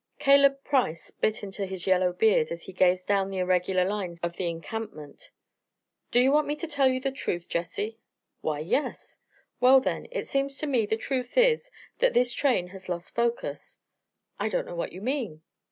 Caleb Price bit into his yellow beard as he gazed down the irregular lines of the encampment. "Do you want me to tell you the truth, Jesse?" "Why, yes!" "Well, then, it seems to me the truth is that this train has lost focus." "I don't know what you mean."